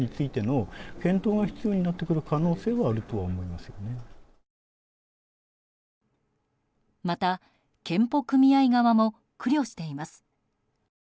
また、健保組合側も苦慮しています。